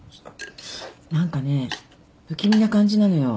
何かね不気味な感じなのよ。